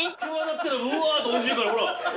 うわっておいしいからほら。